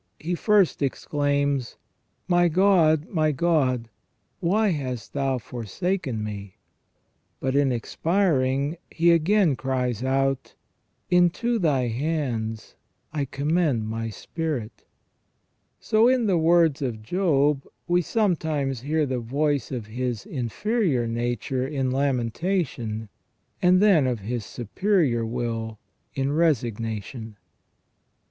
He first exclaims :My God, my God, why hast Thou forsaken me !" but, in expiring, he again cries out :" Into Thy hands I commend my spirit ". So, in the words of Job, we sometimes hear the voice of his inferior nature in lamentation, and then of his superior will in resignation.